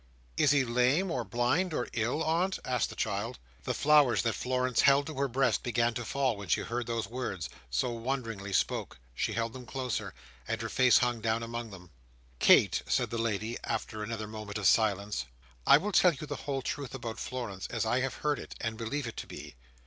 "Is he lame, or blind, or ill, aunt?" asked the child. The flowers that Florence held to her breast began to fall when she heard those words, so wonderingly spoke. She held them closer; and her face hung down upon them. "Kate," said the lady, after another moment of silence, "I will tell you the whole truth about Florence as I have heard it, and believe it to be.